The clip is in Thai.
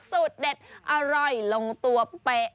สูตรเด็ดอร่อยลงตัวเป๊ะ